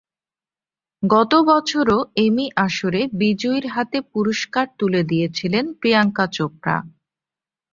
গত বছরও এমি আসরে বিজয়ীর হাতে পুরস্কার তুলে দিয়েছিলেন প্রিয়াঙ্কা চোপড়া।